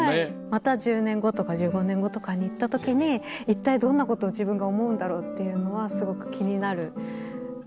また１０年後とか１５年後とかに行った時に一体どんなことを自分が思うんだろうっていうのはすごく気になるし。